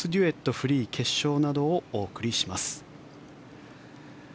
・フリー決勝などをお送りします。